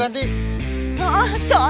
takut monar dia